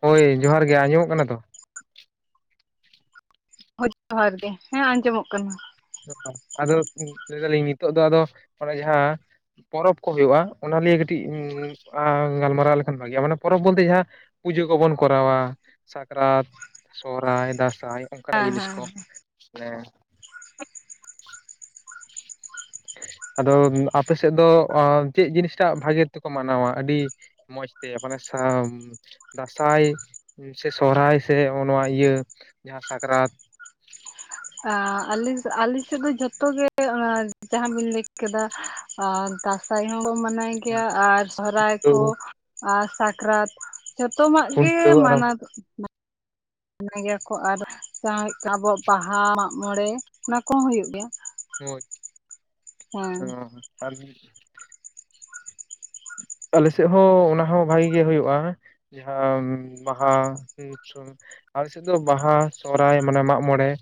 ᱦᱳᱭ ᱡᱚᱦᱟᱨ ᱜᱮ, ᱟᱸᱡᱚᱢᱚᱜ ᱠᱟᱱᱟ ᱛᱚ? ᱦᱳᱭ ᱡᱚᱦᱟᱨ ᱜᱮ, ᱦᱮᱸ ᱟᱸᱡᱚᱢᱚ-ᱜ ᱠᱟᱱᱟ ᱾ ᱟᱫᱚ ᱞᱟᱹᱭ ᱫᱟᱞᱤᱧ ᱱᱤᱛᱚᱜ ᱫᱚ, ᱟᱫᱚ ᱚᱱᱮ ᱡᱟᱦᱟᱸ ᱯᱚᱨᱚᱵᱽ ᱠᱚ ᱦᱩᱭᱩᱜᱼᱟ᱾ ᱚᱱᱟ ᱞᱤᱭᱮ ᱠᱟᱹᱴᱤᱡ ᱜᱟᱞᱢᱟᱨᱟᱣ ᱞᱮᱠᱷᱟᱱ ᱵᱷᱟᱜᱤᱜᱼᱟ᱾ ᱢᱟᱱᱮ ᱯᱚᱨᱚᱵᱽ ᱵᱚᱞᱛᱮ ᱡᱟᱦᱟᱸ ᱯᱩᱡᱟᱹ ᱠᱚᱵᱚᱱ ᱠᱚᱨᱟᱣ-ᱟ᱾ ᱥᱟᱠᱨᱟᱛ, ᱥᱚᱨᱦᱟᱭ, ᱫᱟᱸᱥᱟᱭ ᱾ ᱚᱱᱠᱟᱱᱟ-ᱜ ᱦᱮᱸ ᱡᱤᱱᱤᱥ ᱠᱚ, ᱦᱮᱸ ᱢᱟᱱᱮ ᱟᱫᱚ ᱟᱯᱮ ᱥᱮᱫ ᱫᱚ, ᱪᱮᱫ ᱡᱤᱱᱤᱥᱴᱟ-ᱜ ᱵᱷᱟᱜᱮ ᱛᱮᱠᱚ ᱢᱟᱱᱟᱣ-ᱟ ᱾ ᱟᱹᱰᱤ ᱢᱚᱡᱽ ᱛᱮ ᱢᱟᱱᱮ ᱫᱟᱸᱥᱟᱭ ᱥᱮ ᱥᱚᱦᱦᱟᱭ ᱥᱮ ᱱᱚᱣᱟ ᱤᱭᱟᱹ ᱡᱟᱦᱟᱸ ᱥᱟᱠᱨᱟᱛ? ᱟᱞ ᱟᱞᱮ ᱥᱮᱫ ᱫᱚ ᱡᱷᱚᱛᱚᱜ ᱜᱮ, ᱚᱱᱟ ᱡᱟᱦᱟᱸ ᱵᱤᱱ ᱞᱟᱹᱭ ᱠᱮᱫᱟ᱾ ᱚᱸ ᱫᱥᱟᱭ ᱦᱚᱸ ᱠᱚ ᱢᱟᱱᱟᱭ ᱜᱮᱭᱟ ᱾ ᱟᱨ ᱥᱚᱨᱦᱟᱭ ᱠᱚ, ᱟᱨ ᱥᱟᱠᱨᱟᱛ ᱾ ᱡᱚᱛᱚᱢᱟ-ᱜ ᱜᱮ ᱠᱷᱩᱱᱴᱟᱹᱣ ᱟᱨᱚ ᱢᱟᱱᱟᱣ ᱫᱚ ᱾ ᱜᱮᱭᱟ ᱠᱚ ᱟᱨ ᱟᱵᱚᱣᱟ-ᱜ ᱵᱟᱦᱟ, ᱢᱟᱜ ᱢᱚᱬᱮᱸ ᱚᱱᱟ ᱠᱚᱼᱦᱚᱸ ᱦᱩᱭᱩᱜ ᱜᱮᱭᱟ ᱾ ᱢᱚᱷᱽ ᱚᱸ ᱛᱟᱦᱞᱮ ᱟᱞᱮᱥᱮᱫ ᱦᱚᱸ ᱚᱱᱟᱦᱚᱸ ᱵᱽᱷᱟᱜᱤ ᱜᱮ ᱦᱩᱭᱩᱜᱭᱼᱟ᱾ ᱡᱟᱦᱟᱸ ᱵᱟᱦᱟ ᱾ ᱟᱞ ᱥᱮᱫ ᱫᱚ ᱵᱟᱦᱟ, ᱥᱚᱨᱦᱟᱭ, ᱢᱟᱱᱮ ᱢᱟᱜ ᱢᱚᱬᱮᱸ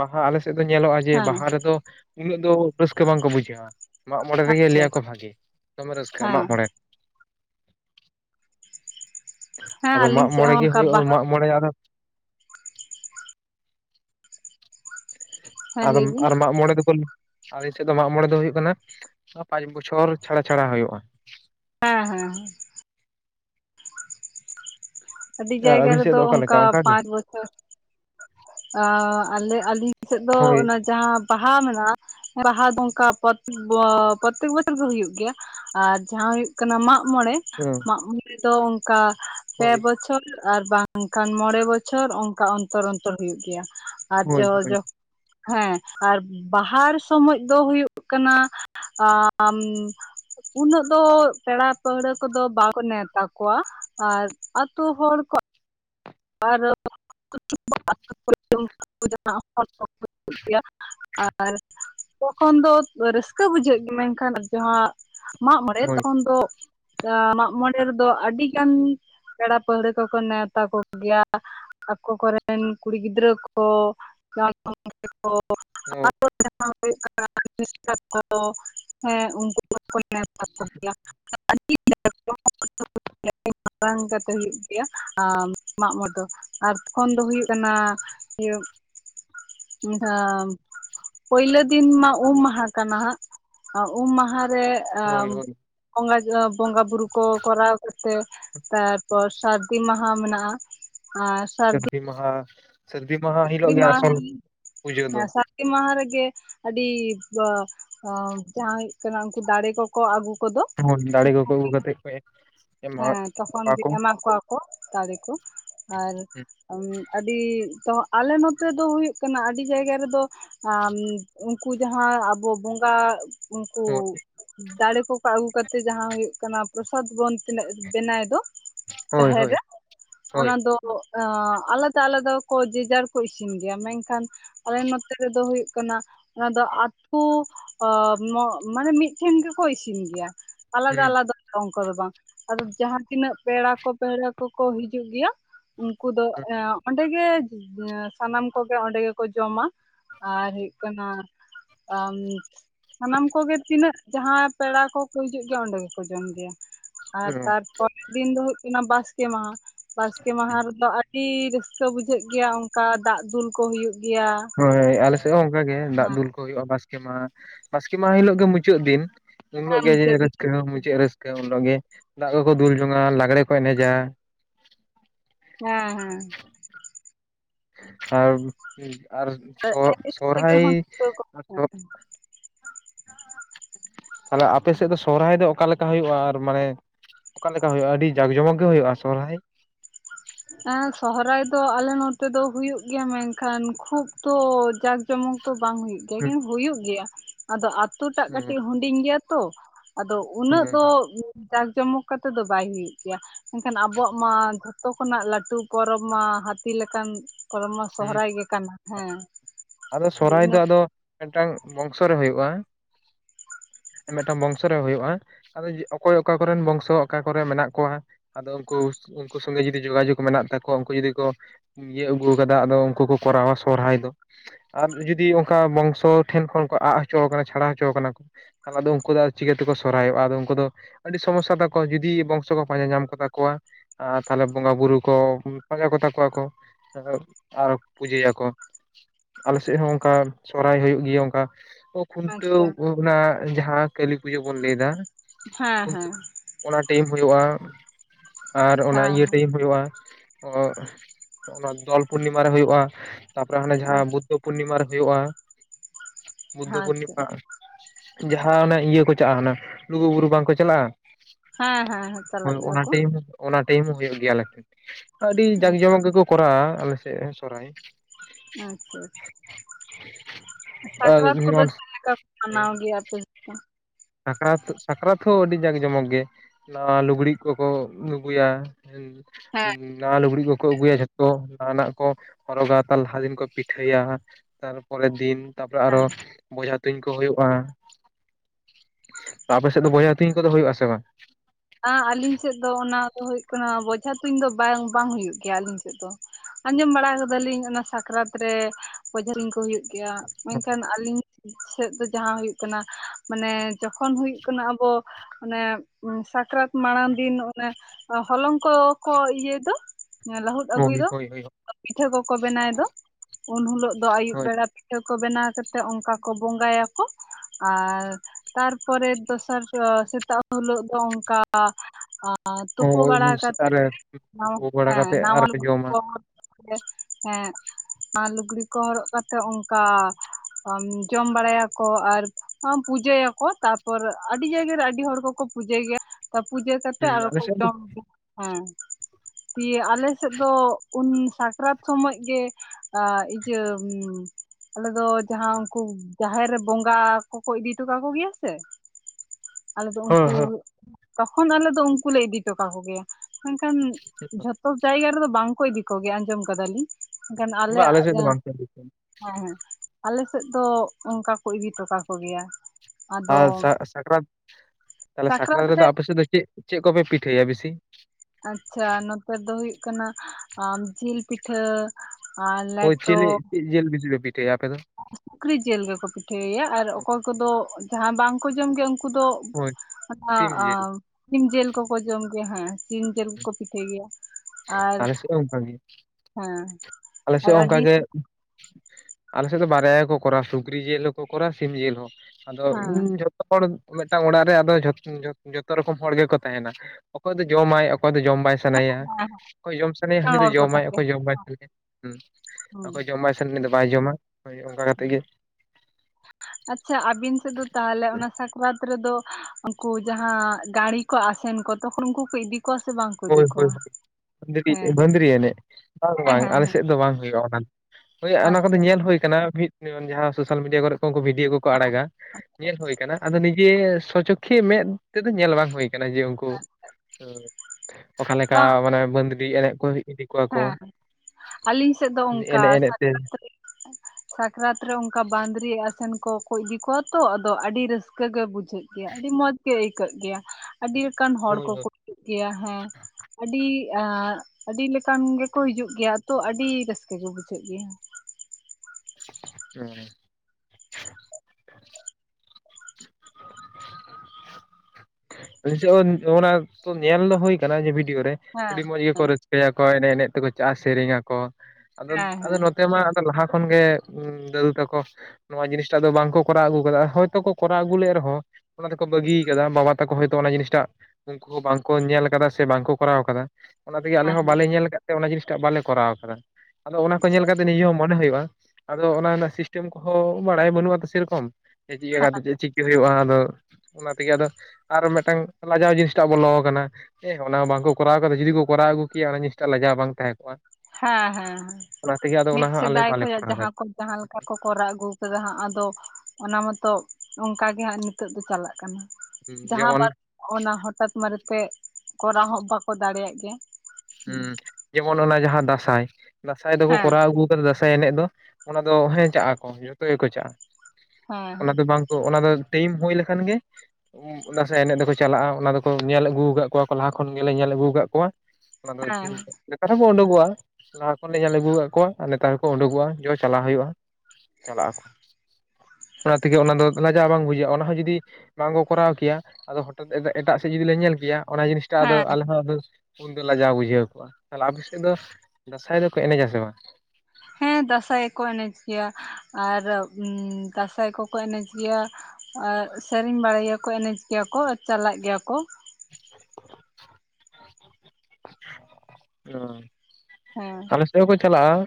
ᱵᱟᱦᱟ ᱟᱞᱮ ᱥᱮᱫ ᱫᱚ ᱧᱮᱞᱚᱜᱼᱟ ᱾ ᱡᱮ ᱦᱮᱸ ᱵᱟᱦᱟ ᱨᱮᱫᱚ ᱩᱱᱟᱹᱜ ᱫᱚ ᱨᱟᱹᱥᱠᱟᱹ ᱵᱟᱝᱠᱚ ᱵᱩᱡᱷᱟᱹᱜᱼᱟ ᱾ ᱢᱟᱜᱽ ᱢᱚᱬᱮᱸ ᱨᱮᱜᱮ ᱟᱪᱪᱷᱟ ᱞᱟᱹᱭᱟᱠᱚ ᱵᱷᱽᱟᱜᱤ, ᱫᱚᱢᱮ ᱨᱟᱹᱥᱠᱟᱹ ᱢᱟᱜ ᱦᱮᱸ ᱢᱚᱬᱮᱸ ᱾ ᱦᱮᱸ ᱟᱫᱚ ᱢᱟᱜ ᱟᱹᱞᱤᱧ ᱥᱮᱫ ᱢᱚᱬᱮᱸ ᱦᱚᱸ ᱜᱮ ᱚᱱᱠᱟ ᱦᱩᱭᱩᱜᱼᱟ᱾ ᱵᱟᱦᱟ ᱢᱟᱜ ᱢᱚᱬᱮᱸ ᱟᱨ ᱦᱮᱸ ᱟᱫ ᱞᱟᱹᱭ ᱵᱤᱱ ᱟᱨ ᱢᱟᱜ ᱢᱚᱬᱮᱸ ᱫᱚᱠᱚ ᱟᱞᱤᱧ ᱥᱮᱫ ᱫᱚ ᱢᱟᱜ ᱢᱚᱬᱮᱸ ᱫᱚ ᱦᱩᱭᱩᱜ ᱠᱟᱱᱟ ᱾ ᱯᱟᱸᱪ ᱵᱚᱪᱷᱚᱨ ᱪᱷᱟᱲᱟ - ᱪᱷᱟᱲᱟ ᱦᱩᱭᱩᱜᱼᱟ ᱾ ᱦᱮᱸ ᱦᱮᱸ ᱦᱮᱸ ᱾ ᱟᱹᱰᱤ ᱟᱨ ᱡᱟᱭᱜ-ᱟ ᱟᱹᱵᱤᱱ ᱥᱮᱫ ᱨᱮᱫᱚ ᱫᱚ ᱚᱠᱟ ᱞᱮᱠᱟ ᱚᱱᱠᱟ ᱜᱮ ᱯᱟᱸᱪ ᱵᱚᱪᱷᱚᱨ ᱚᱸ ᱟᱞᱮ ᱟᱹᱞᱤᱧ ᱥᱮᱫ ᱫᱚ ᱦᱳᱭ ᱚᱱᱟ, ᱡᱟᱦᱟᱸ ᱵᱟᱦᱟ ᱢᱮᱱᱟᱜᱼᱟ᱾ ᱵᱟᱦᱟ ᱫᱚᱸ ᱚᱱᱠᱟ ᱯᱨᱚᱛᱮᱠ ᱵᱚᱪᱚᱨ ᱜᱮ ᱦᱩᱭᱩᱜᱭ ᱜᱮᱭᱟ ᱾ ᱟᱨ ᱡᱟᱦᱟᱸ ᱦᱭᱳᱭ-ᱜ ᱠᱟᱱᱟ, ᱢᱟᱜᱢᱚᱬᱮᱸ ᱦᱩᱸ ᱢᱟᱜ ᱢᱚᱲᱮᱸ ᱫᱚ ᱚᱱᱠᱟ ᱯᱮ ᱵᱚ ᱪᱷᱚᱨ ᱟᱨ ᱵᱟᱝᱠᱷᱟᱱ ᱢᱚᱬᱮᱸ ᱵᱚᱪᱷᱚᱨ ᱚᱱᱠᱟ ᱚᱱᱛᱚᱨ - ᱚᱱᱛᱚᱨ ᱦᱩᱭᱩᱜ ᱜᱮᱭᱟ᱾ ᱾ ᱟᱨ ᱦᱳᱭ ᱡᱳ ᱦᱳᱭ ᱦᱳᱭ ᱡᱳ ᱦᱮᱸ ᱟᱨ ᱵᱟᱦᱟ ᱥᱚᱢᱚᱭ ᱫᱚ ᱦᱩᱭᱩᱜ ᱠᱟᱱᱟ᱾ ᱟᱢ ᱩᱱᱟᱹᱜ ᱫᱚ ᱯᱮᱲᱟ ᱯᱟᱹᱲᱦᱟᱹ ᱠᱚᱼᱫᱚ ᱵᱟᱠᱚ ᱱᱮᱶᱛᱟ ᱠᱚᱣᱟ ᱾ᱟᱨ ᱟ ᱟᱹᱛᱩ ᱦᱚᱲ ᱠᱚ ᱟᱨ [unintelligible] ᱟᱨ ᱛᱚᱠᱷᱚᱱ ᱫᱚ ᱨᱟᱹᱥᱠᱟᱹ ᱵᱩᱡᱷᱟᱹᱜ ᱜᱮ ᱢᱮᱱᱠᱷᱟᱱ ᱡᱟᱦᱟᱸ ᱢᱟᱜ ᱢᱚᱬᱮᱸ ᱦᱳᱭ ᱛᱚᱠᱷᱚᱱ ᱫᱚ ᱢᱟᱜ ᱢᱚᱬᱮᱸ ᱨᱮᱫᱚ ᱟᱹᱰᱤ ᱜᱟᱱ ᱯᱮᱲᱟ ᱯᱟᱹᱲᱦᱟᱹ ᱠᱚᱼᱠᱚ ᱱᱮᱣᱛᱟ ᱠᱚ ᱜᱮᱭᱟ ᱟᱠᱚ ᱠᱚᱨᱮᱱ ᱠᱩᱲᱤ ᱜᱤᱫᱽᱨᱟᱹ ᱠᱚ ᱦᱩᱭᱩᱜ ᱠᱟᱱᱟ ᱠᱚ [unintelligible] ᱦᱮᱸ ᱩᱱᱠᱩ ᱠᱚᱠᱚ ᱦᱮᱭᱟ᱾ [unintelligible] ᱟᱹᱰᱤ ᱢᱟᱨᱟᱝ ᱠᱟᱛᱮ ᱦᱩᱭᱩᱜ ᱜᱮᱭᱟ ᱟᱢ ᱢᱟᱜ ᱢᱚᱬᱮᱸ ᱫᱚ ᱟᱨ ᱛᱚᱠᱷᱚᱱ ᱫᱚ ᱦᱩᱭᱩᱜ ᱠᱟᱱᱟ᱾ ᱤᱭᱟᱹ [unintelligible] ᱯᱳᱭᱞᱳ ᱫᱤᱱ ᱢᱟ, ᱩᱢ ᱢᱟᱦᱟ ᱠᱟᱱᱟ ᱦᱟᱸᱜ, ᱟᱹ ᱩᱢ ᱢᱟᱦᱟᱨᱮ ᱟ ᱦᱳᱭ ᱦᱳᱭ ᱵᱚᱸᱜᱟ ᱡᱚᱦᱟ, ᱵᱚᱸᱜᱟ ᱵᱩᱨᱩ ᱠᱚ ᱠᱚᱨᱟᱣ ᱠᱟᱛᱮ ᱛᱟᱨᱯᱚᱨ ᱥᱟᱹᱨᱫᱤ ᱢᱟᱦᱟ ᱢᱮᱱᱟᱜᱼᱟ᱾ ᱟᱨ, ᱥᱟᱹᱨᱫᱤ ᱢᱟᱦᱟ, ᱥᱟᱹᱨᱫᱤ ᱢᱟᱦᱟ ᱦᱤᱞᱳᱜ ᱜᱮ ᱢᱟᱦᱟ ᱟᱥᱚᱞ ᱯᱩᱡᱟᱹ ᱫᱚ᱾ ᱥᱟᱹᱨᱫᱤ ᱢᱟᱦᱟ ᱨᱮᱜᱮ ᱟᱹᱰᱤ ᱡᱟᱦᱟᱸ ᱦᱩᱭᱩᱜ ᱠᱟᱱᱟ ᱩᱱᱠᱩ ᱫᱟᱨᱮ ᱠᱚ, ᱠᱚ ᱟᱹᱜᱩ ᱠᱚᱫᱚ᱾ ᱦᱳᱭ ᱫᱟᱲᱮ [unintelligible] ᱦᱮᱸ ᱛᱚᱠᱷᱚᱱ ᱠᱚᱣᱟ ᱜᱮ ᱠᱚ ᱮᱢᱟ ᱠᱚᱣᱟ ᱠᱚ ᱫᱟᱨᱮ ᱠᱚ ᱟᱨ ᱟᱹᱰᱤ, ᱛᱚ ᱟᱞᱮ ᱱᱚᱛᱮ ᱫᱚ ᱦᱩᱭᱩᱜ ᱠᱟᱱᱟ ᱟᱹᱰᱤ ᱡᱟᱭᱜᱟ ᱨᱮᱫᱚ, ᱟᱸ, ᱩᱱᱠᱩ ᱡᱟᱦᱟᱸ ᱟᱵᱚ ᱵᱚᱸᱜᱟ ᱩᱱᱠᱩ ᱫᱟᱲᱮ ᱠᱚᱠᱚ ᱟᱹᱜᱩ ᱠᱟᱛᱮᱫ ᱡᱟᱦᱟᱸ ᱦᱩᱭᱩᱜ ᱠᱟᱱᱟ ᱯᱨᱚᱥᱟᱫᱽ ᱵᱚᱱ ᱛᱤᱱᱟᱹᱜ ᱵᱮᱱᱟᱣ ᱫᱚ ᱦᱳᱭ ᱡᱟᱦᱮᱨ ᱦᱳᱭ ᱨᱮ ᱦᱳᱭ ᱚᱱᱟ ᱫᱚ, ᱠᱚ ᱟᱹ ᱟᱞᱮᱛᱮ ᱟᱞᱮᱛᱮ ᱠᱚ ᱡᱮᱡᱟᱲ ᱠᱚ ᱤᱥᱤᱱ ᱜᱮᱭᱟ ᱢᱮᱱᱠᱷᱟᱱ, ᱟᱞᱮ ᱱᱚᱛᱮ ᱨᱮᱫᱚ ᱦᱩᱭᱩᱜ ᱠᱟᱱᱟ᱾ ᱚᱱᱟ ᱫᱚ ᱟᱛᱳ, ᱢᱟᱱᱮ ᱢᱤᱫ ᱴᱷᱮᱱ ᱜᱮᱠᱚ ᱤᱥᱤᱱ ᱜᱮᱭᱟ᱾ ᱟᱞᱟᱫᱟ ᱦᱩᱸ ᱟᱞᱟᱫᱟ ᱚᱱᱠᱟ ᱫᱚ ᱵᱟᱝ᱾ ᱟᱫᱚ ᱡᱟᱦᱟᱸ ᱛᱤᱱᱟᱹᱜ ᱯᱮᱲᱟ ᱠᱚ ᱯᱟᱹᱲᱦᱟᱹ ᱠᱚᱠᱚ ᱦᱤᱡᱩᱜ ᱜᱮᱭᱟ ᱩᱱᱠᱩ ᱫᱚ ᱮ ᱚᱸᱰᱮᱜᱮ, ᱥᱟᱱᱟᱢ ᱠᱚᱜᱮ ᱚᱸᱰᱮ ᱜᱮᱠᱚ ᱡᱚᱢᱟ ᱟᱨ ᱦᱩᱭᱩᱜ ᱠᱟᱱᱟ᱾ ᱟᱢ, ᱥᱟᱱᱟᱢ ᱠᱚᱜᱮ ᱛᱤᱱᱟᱹᱜ ᱡᱟᱦᱟᱸ ᱯᱮᱲᱟ ᱠᱚᱠᱚ ᱦᱤᱡᱩᱜ ᱜᱮᱭᱟ ᱚᱸᱰᱮ ᱜᱮᱠᱚ ᱡᱚᱢ ᱜᱮᱭᱟ᱾ ᱟᱨ ᱛᱟᱨᱯᱚᱨᱮᱨ ᱫᱤᱱ ᱫᱚ ᱦᱩᱭᱩᱜ ᱠᱟᱱᱟ ᱵᱟᱥᱠᱮ ᱢᱟᱦᱟ ᱵᱟᱥᱠᱮ ᱢᱟᱦᱟ ᱨᱮᱫᱚ, ᱟᱹᱰᱤ ᱨᱟᱹᱥᱠᱟᱹ ᱵᱩᱡᱷᱟᱹᱜ ᱜᱮᱭᱟ ᱚᱱᱠᱟ ᱫᱟᱜ ᱫᱩᱞ ᱠᱚ ᱦᱩᱭᱩᱜ ᱜᱮᱭᱟ᱾ ᱦᱳᱭ ᱟᱞᱮᱥᱮᱫ ᱦᱚᱸ ᱚᱱᱠᱟ ᱜᱮ ᱫᱟᱜ ᱫᱩᱞ ᱠᱚ ᱦᱩᱭᱩᱜᱼᱟ ᱵᱟᱥᱠᱮ ᱢᱟᱦᱟ ᱵᱟᱥᱠᱮ ᱢᱟᱦᱟ ᱦᱤᱞᱳᱜ ᱜᱮ ᱢᱩᱪᱟᱹᱫ ᱫᱤᱱ᱾ ᱩᱱ ᱦᱤᱞᱳᱜ ᱦᱮᱸ ᱜᱮ ᱡᱮ ᱢᱩᱪᱟᱹᱫ ᱫᱤᱱ ᱨᱟᱹᱥᱠᱟᱹ ᱢᱩᱪᱟᱹᱫ ᱨᱟᱹᱥᱠᱟᱹ ᱩᱱ ᱦᱤᱞᱳᱜ ᱜᱮ ᱫᱟᱜ ᱠᱚᱠᱚ ᱫᱩᱞ ᱡᱚᱝᱼᱟ ᱞᱟᱜᱽᱲᱮ ᱠᱚ ᱮᱱᱮᱡᱟ᱾ ᱦᱮᱸ ᱦᱮᱸ᱾ ᱟᱨ ᱟᱨ, ᱦᱮᱸ ᱥᱚ ᱮᱱᱮᱡ ᱨᱮᱜᱮ ᱥᱚᱨᱦᱟᱭ, ᱦᱚᱸ ᱪᱷᱩᱴᱟᱹᱣ ᱠᱚ ᱛᱟᱦᱞᱮ ᱟᱯᱮ ᱥᱮᱫ ᱫᱚ ᱥᱚᱨᱦᱟᱭ ᱫᱚ ᱚᱠᱟᱞᱮᱠᱟ ᱦᱩᱭᱩᱜᱼᱟ ᱟᱨ ᱢᱟᱱᱮ? ᱚᱠᱟᱞᱮᱠᱟ ᱦᱩᱭᱩᱜᱼᱟ ᱟᱹᱰᱤ ᱡᱟᱠ ᱡᱚᱢᱚᱠ ᱜᱮ ᱦᱩᱭᱩᱜᱼᱟ ᱥᱚᱨᱦᱟᱭ? ᱦᱮᱸ ᱥᱚᱦᱚᱨᱟᱭ ᱫᱚ ᱟᱞᱮ ᱱᱚᱛᱮ ᱫᱚ ᱦᱩᱭᱩᱜ ᱜᱮᱭᱟ ᱢᱮᱱᱠᱷᱟᱱ ᱠᱷᱩᱵ ᱛᱚ ᱡᱟᱠ ᱡᱚᱢᱚᱠ ᱫᱚ ᱵᱟᱝ ᱦᱩᱭᱩᱜ ᱜᱮᱭᱟ ᱦᱩᱸ ᱠᱤ ᱦᱩᱭᱩᱜ ᱜᱮᱭᱟ ᱟᱫᱚ ᱟᱛᱴᱟᱜ ᱦᱩᱸ ᱠᱟᱹᱴᱤᱡ, ᱦᱩᱰᱤᱧ ᱜᱮᱭᱟ ᱛᱚ ᱟᱫᱚ ᱩᱱᱟᱹᱜ ᱦᱩᱸ ᱫᱚ ᱡᱟᱠ ᱡᱚᱢᱚᱠ ᱠᱟᱛᱮᱫ ᱫᱚ ᱵᱟᱭ ᱦᱩᱭᱩᱜ ᱜᱮᱭᱟ᱾ ᱢᱮᱱᱠᱷᱟᱱ ᱟᱵᱚᱣᱟᱜ ᱢᱟ ᱡᱷᱚᱛᱚ ᱠᱷᱚᱱᱟᱜ ᱞᱟᱹᱴᱩ ᱯᱚᱨᱚᱵᱽ ᱢᱟ ᱦᱟᱹᱛᱤ ᱞᱮᱠᱟᱱ, ᱯᱚᱨᱚᱵᱽ ᱢᱟ ᱦᱩᱸ ᱥᱚᱨᱚᱦᱚᱨᱟᱭ ᱜᱮ ᱠᱟᱱᱟ ᱦᱮᱸ᱾ ᱟᱫᱚ ᱥᱚᱨᱦᱟᱭ ᱫᱚ ᱟᱫᱚ ᱢᱤᱫᱴᱟᱱ ᱵᱚᱝᱥᱚ ᱨᱮ ᱦᱩᱭᱩᱜᱼᱟ᱾ ᱢᱤᱫᱴᱟᱱ ᱵᱚᱝᱥᱚ ᱨᱮ ᱦᱩᱭᱩᱜᱼᱟ ᱟᱫᱚ ᱚᱠᱚᱭ ᱚᱠᱟ ᱠᱚᱨᱮᱱ ᱵᱚᱝᱥᱚ ᱚᱠᱟ ᱠᱚᱨᱮ ᱢᱮᱱᱟᱜ ᱠᱚᱣᱟ᱾ ᱟᱫᱚ ᱩᱱᱠᱩ ᱩᱱᱠᱩ ᱥᱚᱸᱜᱮ ᱡᱩᱫᱤ ᱡᱳᱜᱟᱡᱳᱜᱽ ᱢᱮᱱᱟᱜ ᱛᱟᱠᱚᱣᱟ ᱩᱱᱠᱩ ᱡᱩᱫᱤ ᱠᱚ, ᱤᱭᱟᱹ ᱟᱹᱜᱩ ᱠᱟᱫᱟ ᱟᱫᱚ ᱩᱱᱠᱩ ᱠᱚ ᱠᱚᱨᱟᱣᱟ ᱥᱚᱦᱨᱟᱭ ᱫᱚ, ᱟᱨ ᱡᱩᱫᱤ ᱚᱱᱠᱟ ᱵᱚᱝᱥᱚ ᱴᱷᱮᱱ ᱠᱷᱚᱱ ᱠᱚ ᱟᱜ ᱦᱚᱪᱚ ᱠᱟᱱᱟ ᱪᱷᱟᱲᱟ ᱦᱚᱪᱚᱣᱟ ᱠᱟᱱᱟ ᱠᱚ, ᱛᱟᱦᱚᱞᱮ ᱫᱚ ᱩᱱᱠᱩ ᱫᱚ ᱪᱤᱠᱟᱹ ᱛᱮᱠᱚ ᱥᱚᱨᱦᱟᱭᱚᱜ-ᱟ ᱟᱫᱚ ᱩᱱᱠᱩ ᱫᱚ, ᱟᱹᱰᱤ ᱥᱚᱢᱚᱥᱥᱟ ᱛᱟᱠᱚ ᱡᱩᱫᱤ ᱵᱚᱝᱥᱚ ᱠᱚ ᱯᱟᱸᱡᱟ ᱧᱟᱢ ᱠᱟᱛᱟ ᱠᱚᱣᱟ᱾ ᱟᱨ ᱛᱟᱦᱚᱞᱮ ᱵᱚᱸᱜᱟ ᱵᱩᱨᱩ ᱠᱚ ᱯᱟᱸᱡᱟ ᱠᱚᱛᱟᱠᱚᱣᱟ ᱠᱚ ᱟᱨ ᱯᱩᱡᱟᱹᱭᱟᱠᱚ᱾ ᱟᱞᱮ ᱥᱮᱫ ᱦᱚᱸ ᱚᱱᱠᱟ ᱥᱚᱨᱦᱟᱭ ᱦᱩᱭᱩᱜ ᱜᱮᱭᱟ ᱚᱱᱠᱟ ᱠᱷᱩᱱᱴᱟᱹᱣ᱾ ᱟᱪᱪᱷᱟ ᱚᱱᱟ ᱡᱟᱦᱟᱸ ᱠᱟᱹᱞᱤ ᱯᱩᱡᱟᱹ ᱵᱚᱱ ᱞᱟᱹᱭ ᱮᱫᱟ᱾ ᱦᱮᱸ ᱦᱮᱸ᱾ ᱠᱷᱩᱱᱴᱟᱹᱣ ᱚᱱᱟ ᱴᱟᱭᱤᱢ ᱦᱩᱭᱩᱜ-ᱟ ᱟᱨ ᱚᱱᱟ ᱦᱮᱸ ᱤᱭᱟᱹ ᱴᱟᱭᱤᱢ ᱦᱩᱭᱩᱜ-ᱟ᱾ ᱚ, ᱚᱱᱟ ᱫᱚᱞ ᱯᱩᱨᱱᱤᱢᱟ ᱨᱮ ᱦᱩᱭᱩᱜᱼᱟ ᱛᱟᱯᱚᱨᱮ ᱦᱟᱱᱮ ᱦᱮᱸ ᱡᱟᱦᱟᱸ ᱵᱩᱫ ᱵᱩᱫᱽᱷᱚ ᱯᱩᱨᱱᱤᱢᱟ ᱨᱮ ᱦᱩᱭᱩᱜ-ᱟ ᱵᱩᱫᱽᱫᱷᱚ ᱟᱪᱪᱷᱟ ᱯᱩᱨᱱᱤᱢᱟ, ᱡᱟᱦᱟᱸ ᱚᱱᱟ ᱤᱭᱟᱹ ᱠᱚ ᱪᱟᱜᱼᱟ ᱚᱱᱟ ᱞᱩᱜᱩᱵᱩᱨᱩ ᱵᱟᱝᱠᱚ ᱪᱟᱞᱟᱜᱼᱟ᱾ ᱦᱮᱸ ᱦᱮᱸ ᱦᱮᱸ ᱦᱳᱭ ᱪᱟᱞᱟᱜ ᱜᱮᱭᱟ ᱚᱱᱟ ᱠᱚ ᱴᱟᱭᱤᱢ ᱚᱱᱟ ᱴᱟᱭᱤᱢ ᱦᱚᱸ ᱦᱩᱭᱩᱜ ᱜᱮᱭᱟ ᱟᱞᱮ ᱴᱷᱮᱱ ᱟᱹᱰᱤ ᱡᱟᱠ-ᱡᱚᱢᱚᱠ ᱜᱮᱠᱚ ᱠᱚᱨᱟᱣ ᱟᱞᱮᱥᱮᱫ ᱥᱚᱨᱚᱦᱟᱭ, ᱟᱪᱪᱷᱟ ᱟᱪᱪᱷᱟ᱾ ᱟᱨ ᱥᱟᱠᱨᱟᱛ ᱠᱚᱫᱚ ᱱᱚᱣᱟ ᱪᱮᱫ ᱞᱮᱠᱟᱯᱮ ᱦᱳᱭ ᱢᱟᱱᱟᱣ ᱜᱮᱭᱟ ᱟᱯᱮ? ᱫᱚ? ᱥᱟᱠᱨᱟᱛ ᱥᱟᱠᱨᱟᱛ ᱦᱚᱸ ᱟᱹᱰᱤ ᱡᱟᱠ ᱡᱚᱢᱚᱜ ᱜᱮ, ᱱᱟᱣᱟ ᱞᱩᱜᱽᱲᱤᱡ ᱠᱚᱠᱚ ᱟᱹᱜᱩᱭᱟ ᱦᱮᱸ [unintelligible] ᱱᱟᱭᱟ ᱞᱩᱜᱽᱲᱤᱡ ᱠᱚᱠᱚ ᱟᱹᱜᱩᱭᱟ ᱡᱷᱚᱛᱚ ᱱᱟᱭᱟᱱᱟᱜ ᱠᱚ ᱦᱚᱨᱚᱜᱟ ᱛᱟᱨ ᱞᱟᱦᱟ ᱫᱤᱱ ᱠᱚ ᱯᱤᱴᱷᱟᱹᱭᱟ᱾ ᱛᱟᱨᱯᱚᱨᱮᱨ ᱫᱤᱱ ᱛᱟᱨᱯᱚᱨᱮ ᱟᱨᱚ ᱦᱮᱸ ᱵᱚᱡᱦᱟ ᱛᱩᱧ ᱠᱚ ᱦᱳᱭᱳᱜᱼᱟ᱾ ᱟᱯᱮᱥᱮᱫ ᱫᱚ ᱵᱚᱭᱦᱟ ᱛᱩᱧ ᱠᱚᱫᱚ ᱦᱳᱭᱳᱜᱼᱟ ᱥᱮ ᱵᱟᱝ? ᱟᱹᱞᱤᱧ ᱥᱮᱫ ᱫᱚ ᱚᱱᱟ ᱫᱚ ᱦᱩᱭᱩᱜ ᱠᱟᱱᱟ ᱵᱚᱡᱷᱟ ᱛᱩᱧ ᱫᱚ ᱵᱟᱝ ᱵᱟᱝ ᱦᱩᱭᱩᱜ ᱜᱮᱭᱟ ᱟᱹᱯᱤᱧ ᱥᱮᱫ ᱫᱚ, ᱟᱸᱡᱚᱢ ᱵᱟᱲᱟ ᱟᱠᱟᱫᱟᱞᱤᱧ ᱚᱱᱟ ᱥᱟᱠᱨᱟᱛ ᱨᱮ ᱚᱡᱟᱨᱤᱧ ᱠᱚ ᱦᱩᱭᱩᱜ ᱜᱮᱭᱟ ᱢᱮᱱᱠᱷᱟᱱ ᱟᱹᱞᱤᱧ ᱥᱮᱫ ᱫᱚ ᱡᱟᱦᱟᱸ ᱦᱩᱭᱩᱜ ᱠᱟᱱᱟ ᱢᱟᱱᱮ ᱡᱚᱠᱷᱚᱱ ᱦᱩᱭᱩᱜ ᱠᱟᱱᱟ ᱟᱵᱚ ᱚᱱᱮ ᱥᱟᱠᱨᱟᱛ ᱢᱟᱲᱟᱝ ᱫᱤᱱ ᱚᱱᱮ ᱦᱚᱞᱚᱝ ᱠᱚᱠᱚ ᱤᱭᱟᱹᱭ ᱫᱚ, ᱞᱟᱹᱦᱩᱫ ᱟᱹᱜᱩᱭ ᱦᱳᱭ ᱫᱚ ᱦᱳᱭ ᱦᱳᱭ ᱯᱤᱴᱷᱟᱹ ᱠᱚᱠᱚ ᱵᱮᱱᱟᱭ ᱫᱚ ᱩᱱ ᱦᱤᱞᱳᱜ ᱫᱚ ᱟᱹᱭᱩᱵ ᱦᱳᱭ ᱵᱮᱲᱟ ᱯᱤᱴᱟᱹ ᱠᱚ ᱵᱮᱱᱟᱜ ᱠᱟᱛᱮᱜ ᱚᱱᱠᱟ ᱠᱚ ᱵᱚᱸᱜᱟᱭ ᱟᱠᱚ, ᱟᱨ ᱛᱟᱨᱯᱚᱨᱮ ᱫᱚᱥᱟᱨ ᱥᱮᱛᱟᱜ ᱦᱤᱞᱳᱜ ᱫᱚ ᱚᱱᱠᱟ, ᱚ ᱮᱸ ᱛᱳᱯᱳ ᱵᱟᱲᱟ ᱦᱳᱭ ᱠᱟᱛᱮᱫ ᱥᱮᱛᱟᱜ ᱨᱮ ᱱᱟ ᱛᱩᱯᱩ ᱵᱟᱲᱟ ᱦᱮᱸ ᱠᱟᱛᱮᱜ ᱱᱟᱣᱟᱱ ᱟᱨᱯᱮ ᱠᱚ ᱡᱚᱢᱟ ᱛᱚᱨᱯᱚᱨᱮ ᱮᱸᱜ ᱱᱟᱣᱟ ᱞᱩᱜᱽᱲᱤ ᱠᱚ ᱦᱚᱨᱚᱜ ᱠᱟᱛᱮᱫ ᱚᱱᱠᱟ, ᱡᱚᱢ ᱵᱟᱲᱟᱭ ᱟᱠᱚ ᱟᱨ ᱯᱩᱡᱟᱹᱭ ᱟᱠᱚ ᱛᱟᱯᱚᱨ ᱟᱹᱰᱤ ᱡᱟᱭᱜᱟ ᱨᱮ ᱟᱹᱰᱤ ᱦᱚᱲ ᱠᱚᱠᱚ ᱯᱩᱡᱟᱹᱭ ᱜᱮᱭᱟ᱾ ᱯᱩᱡᱟᱹ ᱦᱩᱸ ᱠᱟᱛᱮᱫ ᱟᱨᱚ ᱟᱞᱮ ᱠᱚ ᱥᱮᱫ ᱫᱚ ᱡᱚᱢ ᱜᱮᱭᱟ ᱦᱮᱸ, ᱫᱤᱭᱮ ᱟᱞᱮ ᱥᱮᱫ ᱫᱚ ᱩᱱ ᱥᱟᱠᱨᱟᱛ ᱥᱚᱢᱚᱡ ᱜᱮ, ᱟᱸ ᱤᱭᱟᱹ ᱟᱞᱮ ᱫᱚ ᱡᱟᱦᱟᱸ ᱩᱱᱠᱩ ᱡᱟᱦᱮᱨ ᱨᱮ ᱵᱚᱸᱜᱟ ᱠᱚᱠᱚ ᱤᱫᱤ ᱦᱚᱴᱚ ᱠᱟᱠᱚ ᱜᱮᱭᱟ ᱥᱮ, ᱟᱞᱮ ᱫᱚ ᱦᱳᱭ ᱩᱱᱠᱩ ᱦᱳᱭ ᱛᱚᱠᱷᱚᱱ ᱟᱞᱮ ᱫᱚ ᱩᱱᱠᱩᱞᱮ ᱤᱫᱤ ᱦᱚᱴᱚ ᱠᱟᱠᱚ ᱜᱮᱭᱟ᱾ ᱢᱮᱱᱠᱷᱟᱱ ᱡᱷᱚᱛᱚ ᱡᱟᱭᱜᱟ ᱨᱮᱫᱚ ᱵᱟᱝᱠᱚ ᱤᱫᱤ ᱠᱚᱜᱮᱭᱟ ᱟᱸᱡᱚᱢ ᱠᱟᱫᱟᱞᱤᱧ, ᱮᱱᱠᱷᱟᱱ ᱵᱟ ᱟᱞᱮᱭᱟᱜ ᱟᱞᱮ ᱥᱮᱫ ᱫᱚ ᱡᱟᱦᱟ, ᱵᱟᱝ ᱦᱮᱸ ᱟᱞᱮ ᱥᱮᱫ ᱫᱚ ᱚᱱᱠᱟ ᱠᱚ ᱤᱫᱤ ᱦᱚᱴᱚ ᱠᱟᱠᱚ ᱜᱮᱭᱟ᱾ ᱟᱫᱚ ᱟᱨ ᱥᱟᱠᱨᱟᱛ ᱛᱟᱦᱚᱞᱮ ᱥᱟᱠᱨᱟᱛ ᱨᱮᱫᱚ ᱟᱯᱮ ᱥᱮᱫ ᱫᱚ ᱪᱮᱫ ᱪᱮᱜ ᱠᱚᱯᱮ ᱯᱤᱴᱷᱟᱹᱭᱟ ᱵᱮᱥᱤ? ᱟᱪᱪᱷᱟ ᱱᱚᱛᱮ ᱫᱚ ᱦᱩᱭᱩᱜ ᱠᱟᱱᱟ ᱟ ᱡᱤᱞ ᱯᱤᱴᱷᱟᱹ᱾ ᱟᱨ ᱦᱳᱭ ᱞᱮᱴᱚ ᱪᱮᱞᱮ ᱪᱮᱫ ᱡᱤᱞ ᱵᱤᱥᱤ ᱯᱮ ᱯᱤᱴᱷᱟᱹᱭᱟ ᱟᱯᱮ ᱫᱚ? ᱥᱩᱠᱨᱤ ᱡᱤᱞ ᱜᱮᱠᱚ ᱯᱤᱴᱷᱟᱹᱭ ᱜᱮᱭᱟ ᱟᱨ ᱚᱠᱚᱭ ᱠᱚᱫᱚ ᱡᱟᱦᱟᱸ ᱵᱟᱝᱠᱚ ᱡᱚᱢ ᱜᱮᱭᱟ ᱩᱱᱠᱩ ᱩᱱᱠᱩ ᱫᱚ ᱦᱳᱭ ᱚᱱᱟ ᱥᱤᱢ ᱡᱤᱞ ᱮᱸ ᱥᱤᱢ ᱡᱤᱞ ᱠᱚᱠᱚ ᱡᱚᱢ ᱜᱮᱭᱟ ᱦᱮᱸ, ᱥᱤᱢ ᱡᱤᱞ ᱠᱚᱠᱚ ᱯᱤᱴᱷᱟᱹᱭ ᱜᱮᱭᱟ᱾ ᱟᱨ ᱟᱞᱮ ᱥᱮᱫ ᱦᱚᱸ ᱚᱱᱠᱟ ᱜᱮ, ᱦᱮᱸ᱾ ᱟᱞᱮ ᱟᱨ ᱥᱮᱫ ᱦᱚᱸ ᱟᱹᱰᱤ ᱚᱱᱠᱟᱜᱮ, ᱟᱞᱮ ᱥᱮᱫ ᱫᱚ ᱵᱟᱨᱭᱟ ᱜᱮᱠᱚ ᱠᱚᱨᱟᱣᱟ ᱥᱩᱠᱨᱤ ᱡᱤᱞ ᱦᱚᱸᱠᱚ ᱠᱚᱨᱟᱣᱟ ᱥᱤᱢ ᱡᱤᱞ ᱦᱚᱸ ᱟᱫᱚ ᱦᱮᱸ ᱩᱱᱡᱽ, ᱡᱚᱛᱚ ᱦᱚᱲ ᱢᱤᱫᱴᱟᱝ ᱚᱲᱟᱜ ᱨᱮ ᱟᱫᱚ ᱡᱚᱛᱚ ᱨᱚᱠᱚᱢ ᱦᱚᱲ ᱜᱮᱠᱚ ᱛᱟᱦᱮᱱᱟ ᱚᱠᱚᱭ ᱫᱚᱭ ᱡᱚᱢᱟᱭ ᱚᱠᱚᱭ ᱫᱚ ᱡᱚᱢ ᱵᱟᱭ ᱥᱟᱱᱟᱮᱭᱟ ᱚᱠᱚᱭ ᱡᱚᱢ ᱥᱟᱱᱟᱭᱮᱭᱟ ᱦᱟᱹᱱᱤ ᱫᱚ ᱦᱚᱲ ᱠᱚ ᱡᱚᱢᱟᱭ ᱛᱟᱦᱚᱞᱮ ᱚᱠᱚᱭ ᱡᱚᱢ ᱵᱟᱭ ᱥᱟᱱᱟᱭᱮᱭᱟ ᱦᱩᱸ ᱦᱮᱸ ᱚᱠᱚᱭ ᱡᱚᱢ ᱵᱟᱭ ᱥᱟᱱᱟᱮᱭᱟ ᱩᱱᱤ ᱫᱚ ᱵᱟᱭ ᱡᱚᱢᱟ ᱦᱳᱭ ᱚᱱᱠᱟ ᱠᱟᱛᱮᱜ ᱜᱮ, ᱟᱪᱪᱷᱟ ᱟᱵᱤᱱ ᱥᱮᱫ ᱫᱚ ᱛᱟᱦᱚᱞᱮ ᱚᱱᱟ ᱥᱟᱠᱨᱟᱛ ᱨᱮᱫᱚ ᱩᱱᱠᱩ ᱡᱟᱦᱟᱸ ᱜᱟᱹᱲᱤ ᱠᱚ ᱟᱥᱮᱱ ᱠᱚ ᱛᱚᱠᱷᱚᱱ ᱩᱱᱠᱩ ᱠᱚ ᱤᱫᱤ ᱠᱚᱣᱟ ᱥᱮ ᱵᱟᱝ ᱠᱚ ᱤᱫᱤ ᱠᱚᱣᱟ, ᱵᱟᱹᱫᱽᱨᱤ ᱦᱮᱸ ᱵᱟᱹᱫᱽᱨᱤ ᱮᱱᱮᱡ ᱵᱟᱝ ᱦᱮᱸ ᱵᱟᱝ ᱟᱞᱮ ᱦᱮᱸ ᱦᱮᱸ ᱥᱮᱫ ᱫᱚ ᱵᱟᱝ ᱦᱩᱭᱩᱜᱼᱟ ᱚᱱᱟ᱾ ᱦᱳᱭ ᱚᱱᱟ ᱠᱚᱫᱚ ᱟᱪᱪᱷᱟ ᱧᱮᱞ ᱦᱩᱭ ᱠᱟᱱᱟ ᱢᱤᱫ ᱡᱟᱦᱟᱸ ᱥᱳᱥᱟᱞ ᱢᱤᱰᱤᱭᱟ ᱠᱚᱨᱮ ᱚᱝᱠᱚ ᱵᱷᱤᱰᱭᱳ ᱠᱚᱠᱚ ᱟᱲᱟᱜᱟ ᱟᱪᱪᱷᱟ ᱧᱮᱞ ᱦᱩᱭ ᱟᱠᱟᱱᱟ ᱟᱫᱚ ᱱᱤᱡᱮ ᱥᱚᱪᱚᱠᱠᱷᱮ ᱢᱮᱫ ᱛᱮᱫᱚ ᱧᱮᱞ ᱵᱟᱝ ᱦᱩᱭᱩ ᱠᱟᱱᱟ ᱡᱮ ᱩᱝᱠᱩ ᱚᱠᱟᱞᱮᱠᱟ ᱵᱟᱝ ᱢᱟᱱᱮ ᱵᱟᱹᱫᱽᱨᱤ ᱮᱱᱮᱡ ᱠᱚ ᱤᱫᱤ ᱠᱚᱣᱟ ᱠᱚ ᱦᱮᱸ ᱟᱹᱞᱤᱧ ᱥᱮᱫ ᱫᱚ ᱚᱱᱠᱟ ᱮᱱᱮᱡ ᱮᱱᱮᱡ ᱛᱮ ᱥᱟᱠᱨᱟᱛ ᱨᱮ ᱥᱟᱠᱨᱟᱛ ᱨᱮ ᱚᱝᱠᱟ ᱵᱟᱹᱫᱽᱨᱤ ᱟᱥᱮᱱ ᱠᱚ ᱠᱚ ᱤᱫᱤ ᱠᱚᱣᱟ ᱛᱚ ᱟᱫᱚ ᱟᱹᱰᱤ ᱨᱟᱹᱥᱠᱟᱹᱜ ᱜᱮ ᱵᱩᱡᱷᱟᱹᱜ ᱜᱮᱭᱟ, ᱟᱹᱰᱤ ᱢᱚᱸᱡᱽ ᱜᱮ ᱟᱹᱭᱠᱟᱹᱜ ᱜᱮᱭᱟ᱾ ᱟᱹᱰᱤ ᱞᱮᱠᱟᱱ ᱦᱚᱲ ᱦᱳᱭ ᱦᱳᱭ ᱠᱚᱠᱚ ᱦᱩᱭᱩᱜ ᱜᱮᱭᱟ ᱦᱮᱸ ᱟᱹᱰᱤ ᱟ ᱟᱹᱰᱤ ᱞᱮᱠᱟᱱ ᱜᱮᱠᱚ ᱦᱤᱡᱩᱜ ᱜᱮᱭᱟ ᱛᱚ ᱟᱹᱰᱤ ᱨᱟᱹᱥᱠᱟᱹ ᱜᱮ ᱵᱩᱡᱷᱟᱹᱜ ᱜᱮᱭᱟ᱾ ᱚ᱾ ᱟᱞᱤᱧ ᱥᱮᱫ ᱦᱚᱸ ᱚᱱᱟ ᱠᱚ ᱧᱮᱞ ᱫᱚ ᱦᱩᱭ ᱠᱟᱱᱟ ᱵᱷᱤᱰᱭᱳ ᱨᱮ ᱦᱮᱸ ᱟᱹᱰᱤ ᱢᱚᱸᱡᱽ ᱜᱮ ᱠᱚ ᱦᱮᱸ ᱨᱟᱹᱥ ᱠᱟᱹᱭᱟᱠᱚ ᱮᱱᱮᱡ ᱮᱱᱮᱡ ᱛᱮᱠᱚ ᱪᱟᱜᱼᱟ ᱥᱮᱨᱮᱧ ᱟᱠᱚ, ᱟᱫᱚ ᱦᱮᱸ ᱟᱫᱚ ᱦᱮᱸ ᱱᱚᱛᱮ ᱢᱟ ᱞᱟᱦᱟ ᱠᱷᱚᱱ ᱜᱮ ᱩᱸ ᱫᱟᱫᱩ ᱛᱟᱠᱚ ᱱᱚᱣᱟ ᱡᱤᱱᱤᱥ ᱴᱟᱜ ᱫᱚ ᱵᱟᱝ ᱠᱚ ᱠᱚᱨᱟᱣ ᱟᱹᱜᱩ ᱠᱟᱫᱟ ᱦᱚᱭᱛᱳ ᱠᱚᱨᱟᱣ ᱟᱹᱜᱩ ᱞᱮᱫ ᱨᱮᱦᱚᱸ ᱚᱱᱟ ᱛᱮᱠᱚ ᱵᱟᱹᱜᱤ ᱠᱟᱫᱟ, ᱵᱟᱵᱟ ᱛᱟᱠᱚ ᱦᱳᱭᱛᱳ ᱚᱱᱟ ᱡᱤᱱᱤᱥᱴᱟᱜ ᱩᱱᱠᱩ ᱦᱚᱸ ᱵᱟᱝᱠᱚ ᱧᱮᱞ ᱠᱟᱫᱟ ᱥᱮ ᱵᱟᱝᱠᱚ ᱠᱚᱨᱟᱣ ᱠᱟᱫᱟ᱾ ᱚᱱᱟ ᱛᱮᱜᱮ ᱟᱞᱮ ᱦᱚᱸ ᱦᱮᱸ ᱵᱟᱞᱮ ᱧᱮᱞ ᱠᱟᱫ ᱛᱮ ᱚᱱᱟ ᱡᱤᱱᱤᱥ ᱴᱟᱜ ᱵᱟᱞᱮ ᱠᱚᱨᱟᱣ ᱠᱟᱫᱟ᱾ ᱟᱫᱚ ᱚᱱᱟ ᱠᱚ ᱧᱮᱞ ᱟᱪᱪᱷᱟ ᱠᱟᱛᱮ ᱱᱤᱡᱮ ᱦᱚᱸ ᱢᱚᱱᱮ ᱦᱩᱭᱩᱜᱼᱟ, ᱟᱫᱚ ᱚᱱᱟ ᱨᱮᱱᱟᱜ ᱥᱤᱥᱴᱮᱢ ᱠᱚᱦᱚᱸ ᱵᱟᱲᱟᱭ ᱵᱟᱹᱱᱩᱜᱼᱟᱛᱚ ᱥᱮᱨᱚᱠᱚᱢ ᱪᱮᱫ ᱦᱮᱸ ᱠᱟᱛᱮ ᱪᱮᱫ ᱪᱤᱠᱟᱹ ᱦᱩᱭᱩᱜᱼᱟ ᱟᱫᱚ᱾ ᱚᱱᱟ ᱛᱮᱜᱮ ᱟᱫᱚ ᱟᱨ ᱢᱤᱫᱴᱟᱝ ᱞᱟᱡᱟᱣ ᱡᱤᱱᱤᱥᱴᱟᱜ ᱵᱚᱞᱚ ᱠᱟᱱᱟ᱾ ᱦᱮᱸ ᱚᱱᱟ ᱵᱟᱝᱠᱚ ᱠᱚᱨᱟᱣ ᱠᱟᱫᱟ ᱡᱩᱫᱤ ᱠᱚᱨᱟᱣ ᱟᱹᱜᱩ ᱠᱮᱭᱟ ᱚᱱᱟ ᱡᱤᱱᱤᱥᱴᱟ ᱞᱟᱡᱟᱣ ᱵᱟᱝ ᱛᱟᱦᱮᱸ ᱠᱚᱜᱼᱟ᱾ ᱦᱮᱸ ᱦᱮᱸ ᱦᱮ ᱚᱱᱟ ᱛᱮᱜᱮ ᱟᱫᱚ ᱚᱱᱟ ᱢᱤᱫ ᱦᱚᱸ ᱟᱞᱮ ᱥᱮᱫᱟᱭ ᱵᱟᱞᱮ ᱠᱷᱚᱭᱟᱜ ᱠᱚᱨᱟᱣ ᱡᱟᱦᱟᱸ ᱠᱚ ᱡᱟᱦᱟᱸ ᱞᱮᱠᱟ ᱠᱚ ᱠᱚᱨᱟᱣ ᱟᱹᱜᱩ ᱠᱟᱫᱟ ᱦᱟᱸᱜ ᱟᱫᱚ ᱚᱱᱟ ᱢᱚᱛᱚ ᱚᱱᱠᱟ ᱜᱮ ᱦᱟᱸᱜ ᱱᱤᱛᱳ ᱫᱚ ᱪᱟᱞᱟᱜ ᱠᱟᱱᱟ᱾ ᱫᱟᱲᱮᱭᱟᱜᱼᱟ ᱡᱟᱦᱟᱸ ᱡᱮᱢᱚᱱ ᱵᱟᱛ ᱚᱱᱟ ᱦᱚᱴᱟᱛ ᱢᱟᱨᱮ ᱛᱮ ᱠᱚᱨᱟᱣ ᱦᱚᱸ ᱵᱟᱠᱚ ᱫᱟᱲᱮᱭᱟᱜ ᱜᱮᱭᱟ᱾ ᱦᱩᱸ ᱡᱮᱢᱚᱱ ᱚᱱᱟ ᱡᱟᱦᱟᱸ ᱫᱟᱹᱥᱟᱭ ᱫᱟᱹᱥᱟᱭ ᱫᱚᱠᱚ ᱦᱮᱸ ᱠᱚᱨᱟᱣ ᱟᱹᱜᱩ ᱫᱟᱸᱥᱟᱭ ᱮᱱᱮᱡ ᱫᱚ ᱚᱱᱟ ᱫᱚ ᱦᱮᱸ ᱪᱟᱜ ᱟᱠᱚ ᱡᱚᱛᱚ ᱜᱮᱠᱚ ᱪᱟᱜᱼᱟ, ᱦᱮᱸ ᱚᱱᱟ ᱫᱚ ᱵᱟᱝ ᱛᱚ ᱚᱱᱟ ᱫᱚ ᱴᱟᱹᱭᱤᱢ ᱦᱳᱭ ᱞᱮᱠᱷᱟᱱ ᱜᱮ ᱩᱸ ᱫᱟᱸᱥᱟᱭ ᱮᱱᱮᱡ ᱫᱚᱠᱚ ᱪᱟᱞᱟᱜᱼᱟ, ᱚᱱᱟ ᱫᱚᱠᱚ ᱧᱮᱞ ᱟᱹᱜᱩ ᱠᱟᱫ ᱠᱚᱣᱟ ᱠᱚ ᱞᱟᱦᱟ ᱠᱷᱚᱱ ᱜᱮᱞᱮ ᱧᱮᱞ ᱟᱹᱜᱩ ᱠᱟᱫ ᱠᱚᱣᱟ, ᱚᱱᱟ ᱫᱚ ᱦᱮᱸ [unintelligible] ᱱᱮᱛᱟᱨ ᱦᱚᱸᱠᱚ ᱳᱰᱳᱠᱚᱜᱼᱟ ᱞᱟᱦᱟ ᱠᱷᱚᱱᱞᱮ ᱧᱮᱞ ᱟᱹᱜᱩ ᱠᱟᱜ ᱠᱚᱣᱟ ᱟᱨ ᱱᱮᱛᱟᱨ ᱦᱚᱸᱠᱚ ᱳᱰᱳᱠᱚᱜᱼᱟ ᱡᱚᱛᱚ ᱪᱟᱞᱟᱜ ᱦᱩᱭᱩᱜᱼᱟ᱾ ᱪᱟᱞᱟᱜ ᱟᱠᱚ ᱚᱱᱟ ᱛᱮᱜᱮ ᱚᱱᱟ ᱫᱚ ᱞᱟᱡᱟᱣ ᱵᱟᱝ ᱵᱩᱡᱷᱟᱹᱜᱼᱟ, ᱚᱱᱟ ᱦᱚᱸ ᱡᱩᱫᱤ ᱵᱟᱝᱠᱚ ᱠᱚᱨᱟᱣ ᱠᱮᱭᱟ ᱟᱫᱚ ᱦᱚᱴᱟᱛ ᱮᱴᱟᱜ ᱥᱮᱫ ᱡᱚᱫᱤᱞᱮ ᱧᱮᱞ ᱠᱮᱭᱟ ᱚᱱᱟ ᱡᱤᱱᱤᱥᱴᱟ ᱟᱫᱚ ᱦᱮᱸ ᱟᱞᱮ ᱦᱚᱸ ᱟᱫᱚ ᱩᱱᱫᱚ ᱞᱟᱡᱟᱣ ᱵᱩᱡᱷᱟᱹᱣ ᱠᱚᱜᱼᱟ, ᱛᱟᱦᱚᱞᱮ ᱟᱯᱮ ᱥᱮᱫ ᱫᱚ ᱫᱟᱸᱥᱟᱭ ᱫᱚᱠᱚ ᱮᱱᱮᱡᱟ ᱥᱮ ᱵᱟᱝ? ᱦᱮᱸ ᱫᱟᱸᱥᱟᱭᱠᱚ ᱮᱱᱮᱡ ᱜᱮᱭᱟ ᱟᱨ ᱫᱟᱸᱥᱟᱭ ᱠᱚᱠᱚ ᱮᱱᱮᱡ ᱜᱮᱭᱟ, ᱟᱨ ᱥᱮᱨᱮᱧ ᱵᱟᱲᱟᱭ ᱜᱮᱭᱟᱠᱚ ᱮᱱᱮᱡ ᱜᱮᱭᱟ ᱠᱚ ᱪᱟᱞᱟᱜ ᱜᱮᱭᱟ ᱠᱚ, ᱚ᱾ ᱦᱮᱸ᱾ ᱟᱞᱮ ᱥᱮᱫ ᱦᱚᱸᱠᱚ ᱪᱟᱞᱟᱜᱼᱟ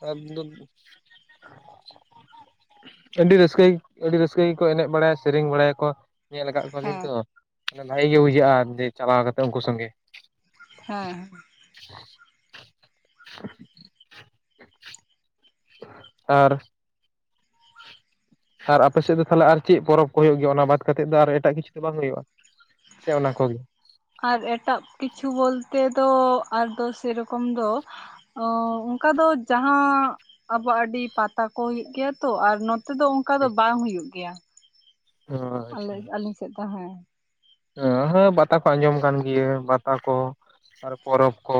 [unintelligible] ᱟᱹᱰᱤ ᱨᱟᱹᱥᱠᱟᱹ ᱟᱹᱰᱤ ᱨᱟᱹᱥᱠᱟᱹ ᱜᱮᱠᱚ ᱮᱱᱮᱡ ᱵᱟᱲᱟᱭᱟ ᱥᱮᱨᱮᱧ ᱵᱟᱲᱟᱭᱟᱠᱚ, ᱧᱮᱞ ᱠᱟᱫ ᱠᱚᱣᱟᱞᱤᱧ ᱦᱮᱸ ᱛᱚ ᱵᱷᱟᱹᱜᱤ ᱜᱮ ᱵᱩᱡᱷᱟᱹᱜᱼᱟ ᱡᱮ ᱪᱟᱞᱟᱣ ᱠᱟᱛᱮ ᱩᱝᱠᱩ ᱥᱚᱸᱜᱮ᱾ ᱦᱮᱸ ᱦᱮᱸ᱾ [inaudible] ᱟᱨ ᱟᱨ ᱟᱯᱮ ᱥᱮᱫ ᱫᱚ ᱛᱟᱦᱚᱞᱮ ᱟᱨ ᱪᱮᱫ ᱯᱚᱨᱚᱵᱽ ᱠᱚ ᱦᱳᱭᱳᱜ ᱜᱮᱭᱟ ᱚᱱᱟ ᱵᱟᱫ ᱠᱟᱛᱮᱫ ᱫᱚ ᱟᱨ ᱮᱴᱟᱜ ᱠᱤᱪᱷᱩ ᱫᱚ ᱵᱟᱝ ᱦᱳᱭᱳᱜᱼᱟ? ᱥᱮ ᱚᱱᱟ ᱠᱚᱜᱮ? ᱟᱨ ᱮᱴᱟᱜ ᱠᱤᱪᱷᱩ ᱵᱚᱞᱛᱮ ᱫᱚ ᱟᱫᱚ ᱥᱮᱨᱚᱠᱚᱢ ᱫᱚ, ᱚᱻ ᱚᱱᱠᱟ ᱫᱚ ᱡᱟᱦᱟᱸ ᱟᱵᱚ ᱟᱹᱰᱤ ᱯᱟᱛᱟ ᱠᱚ ᱦᱩᱭᱩᱜ ᱜᱮᱭᱟ ᱛᱚ ᱟᱨ ᱱᱚ ᱛᱮᱫᱚ ᱚᱱᱠᱟ ᱫᱚ ᱵᱟᱝ ᱦᱩᱭᱩᱜ ᱜᱮᱭᱟ ᱚ ᱟᱞᱮ ᱟᱹᱞᱤᱧ ᱥᱮᱫ ᱫᱚ ᱦᱮᱸ, ᱦᱮᱸ ᱦᱮᱸ ᱵᱟᱛᱟ ᱠᱚ ᱟᱸᱡᱚᱢ ᱠᱟᱱ ᱜᱮᱭᱟ ᱵᱟᱛᱟ ᱠᱚ ᱟᱨ ᱯᱚᱨᱚᱵᱽ ᱠᱚ᱾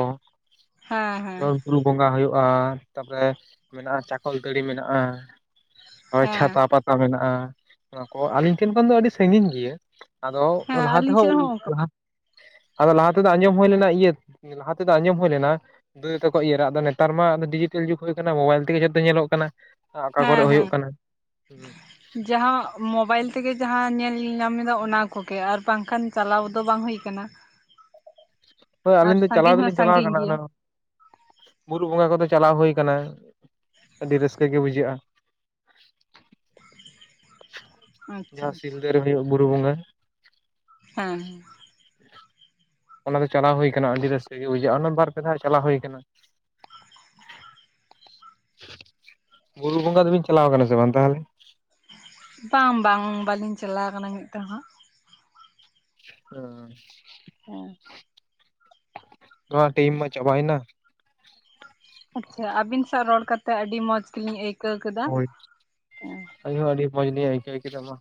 ᱦᱮᱸ ᱦᱮᱸ ᱡᱮᱢᱚᱱ ᱵᱩᱨᱩ ᱵᱚᱸᱜᱟ ᱦᱩᱭᱩᱜ-ᱟ ᱛᱟᱯᱚᱨᱮ ᱢᱮᱱᱟᱜ-ᱟ ᱪᱟᱠᱚᱞ ᱛᱟᱹᱲᱤ ᱢᱮᱱᱟᱜ-ᱟ᱾ ᱦᱳᱭ ᱦᱮᱸ ᱪᱷᱟᱛᱟ ᱯᱟᱛᱟ ᱢᱮᱱᱟᱜ-ᱟ ᱚᱱᱟ ᱠᱚ ᱟᱹᱞᱤᱧ ᱴᱷᱮᱱ ᱠᱷᱚᱱ ᱫᱚ ᱟᱹᱰᱤ ᱥᱟᱹᱜᱤᱧ ᱜᱮᱭᱟ ᱟᱫᱚ ᱦᱮᱸ ᱞᱟᱦᱟ ᱟᱹᱞᱤᱧ ᱥᱮᱫ ᱛᱮᱦᱚᱸ ᱦᱚᱸ ᱚᱱᱠᱟ ᱟᱫᱚ ᱞᱟᱦᱟ ᱛᱮᱫᱚ ᱟᱸᱡᱚᱢ ᱦᱩᱭ ᱞᱮᱱᱟ ᱤᱭᱟᱹ, ᱞᱟᱦᱟᱛᱮ ᱫᱚ ᱟᱸᱡᱚᱢ ᱦᱩᱭ ᱞᱮᱱᱟ? ᱫᱩ ᱛᱟᱠᱚᱣᱟᱜ ᱤᱭᱟᱹ ᱨᱮ, ᱟᱫᱚ ᱱᱮᱛᱟᱨ ᱢᱟ ᱰᱤᱡᱤᱴᱮᱞ ᱡᱩᱜᱽ ᱦᱩᱭ ᱠᱟᱱᱟ ᱢᱳᱵᱟᱭᱤᱞ ᱛᱮᱜᱮ ᱡᱚᱛᱚ ᱧᱮᱞᱚᱜ ᱠᱟᱱᱟ᱾ ᱟ ᱟᱠᱟ ᱠᱚᱨᱮ ᱦᱮᱸ ᱦᱮᱸ ᱦᱩᱭᱩᱜ ᱠᱟᱱᱟ ᱦᱮᱸ᱾ ᱡᱟᱦᱟᱸ ᱢᱚᱵᱟᱭᱤᱞ ᱛᱮᱜᱮ ᱡᱟᱦᱟᱸ ᱧᱮᱞ ᱧᱟᱢ ᱮᱫᱟ ᱚᱱᱟ ᱠᱚᱜᱮ ᱟᱨ ᱵᱟᱝ ᱠᱷᱟᱱ ᱪᱟᱞᱟᱣ ᱫᱚ ᱵᱟᱝ ᱦᱩᱭ ᱠᱟᱱᱟ᱾ ᱦᱳᱭ ᱟᱨ ᱟᱹᱞᱤᱧ ᱫᱚ ᱪᱟᱞᱟᱣ ᱥᱟᱺᱜᱤᱧ ᱦᱚᱸ ᱫᱚᱞᱤᱧ ᱪᱟᱞᱟᱣ ᱥᱟᱺᱜᱤᱧ ᱜᱮᱭᱟ ᱠᱟᱱᱟ, ᱵᱩᱨᱩ ᱵᱚᱸᱜᱟ ᱠᱚᱫᱚ ᱪᱟᱞᱟᱣ ᱦᱩᱭ ᱠᱟᱱᱟ᱾ ᱟᱹᱰᱤ ᱨᱟᱹᱥᱠᱟᱹ ᱜᱮ ᱵᱩᱡᱷᱟᱹᱜ-ᱟ᱾ ᱟᱪᱪᱷᱟ ᱡᱟᱸᱦᱟ ᱟᱪᱪᱷᱟ ᱥᱤᱞᱫᱟᱹ ᱨᱮ ᱦᱩᱭᱩᱜ ᱵᱩᱨᱩ ᱵᱚᱸᱜᱟ᱾ ᱦᱮᱸ, ᱚᱱᱟ ᱫᱚ ᱪᱟᱞᱟᱣ ᱦᱩᱭ ᱠᱟᱱᱟ ᱟᱹᱰᱤ ᱨᱟᱹᱥᱠᱟᱹ ᱜᱮ ᱵᱩᱡᱷᱟᱹᱜ-ᱟ ᱚᱱᱟ ᱵᱟᱨ ᱯᱮ ᱫᱷᱟᱣ ᱪᱟᱞᱟᱣ ᱦᱩᱭ ᱠᱟᱱᱟ᱾ ᱵᱩᱨᱩ ᱵᱚᱸᱜᱟ ᱫᱚᱵᱤᱱ ᱪᱟᱞᱟᱣ ᱠᱟᱱᱟ ᱥᱮ ᱵᱟᱝ ᱛᱟᱦᱚᱞᱮ? ᱵᱟᱝ ᱵᱟᱝ ᱵᱟᱹᱞᱤᱧ ᱪᱟᱞᱟᱣ ᱠᱟᱱᱟ ᱢᱤᱫ ᱫᱷᱟᱣ ᱦᱚᱸ᱾ ᱚ, ᱦᱩᱸ ᱱᱚᱣᱟ ᱴᱤᱢ ᱢᱟ ᱪᱟᱵᱟᱭᱮᱱᱟ᱾ ᱟᱪᱪᱷᱟ ᱟᱹᱵᱤᱱ ᱥᱟᱶ ᱨᱚᱲ ᱠᱟᱛᱮᱜ ᱟᱹᱰᱤ ᱢᱚᱸᱡᱽ ᱜᱮᱞᱤᱧ ᱟᱹᱭᱠᱟᱹᱣ ᱠᱮᱫᱟ᱾ ᱦᱮ, ᱟᱞᱤᱧ ᱦᱚᱸ ᱟᱹᱰᱤ ᱢᱚᱸᱡᱽᱞᱤᱧ ᱟᱹᱭᱠᱟᱹᱣ ᱠᱮᱫᱟ ᱢᱟ,